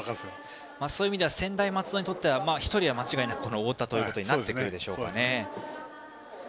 そういう意味では専大松戸にとっては１人は太田となってくるでしょう。